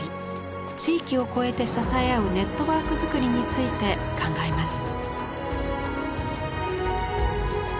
地域を超えて支え合うネットワークづくりについて考えます。